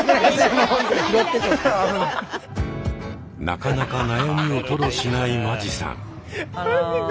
なかなか悩みを吐露しない間地さん。